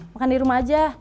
makan di rumah aja